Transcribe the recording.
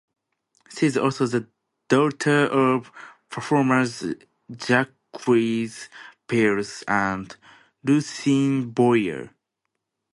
She is also the daughter of performers Jacques Pills and Lucienne Boyer.